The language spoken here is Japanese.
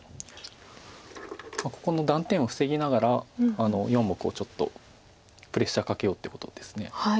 ここの断点を防ぎながら４目をちょっとプレッシャーかけようってことです。